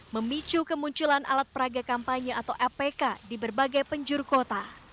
memicu kemunculan alat peraga kampanye atau apk di berbagai penjuru kota